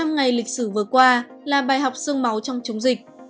một trăm linh ngày lịch sử vừa qua là bài học sương máu trong chống dịch